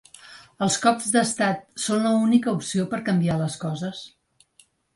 Els cops d’estat són l’única opció per a canviar les coses?